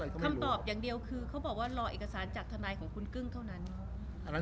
คำตอบอย่างเดียวคือเขาบอกว่ารอเอกสารจากทนายของคุณกึ้งเท่านั้น